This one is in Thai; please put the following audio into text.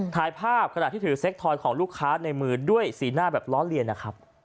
ถ่ายภาพขณะที่ถือเซ็กทอยของลูกค้าในมือด้วยสีหน้าแบบล้อเลียนนะครับ